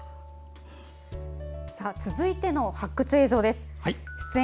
続いての発掘映像です。